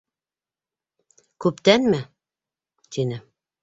— Күптәнме? — тине.